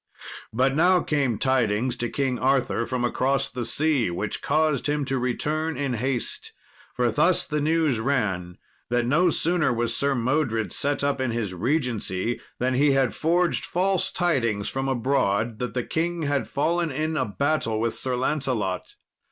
But now came tidings to King Arthur from across the sea, which caused him to return in haste. For thus the news ran, that no sooner was Sir Modred set up in his regency, than he had forged false tidings from abroad that the king had fallen in a battle with Sir Lancelot.